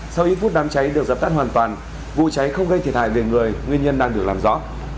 sau ít phút đám cháy được dập tắt hoàn toàn vụ cháy không gây thiệt hại về người nguyên nhân đang được làm rõ